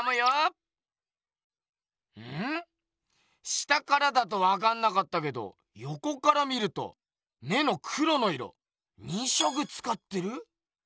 下からだとわかんなかったけどよこから見ると目の黒の色２色つかってる？